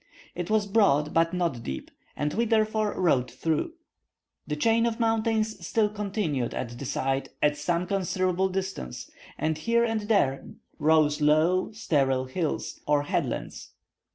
It was broad, but not deep, and we therefore rode through. The chain of mountains still continued at the side at some considerable distance, and here and there rose low, sterile hills, or head lands.